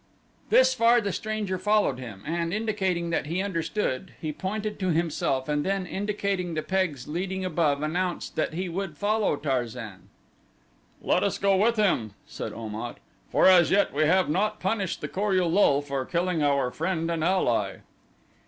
This far the stranger followed him and, indicating that he understood he pointed to himself and then indicating the pegs leading above announced that he would follow Tarzan. "Let us go with him," said Om at, "for as yet we have not punished the Kor ul lul for killing our friend and ally."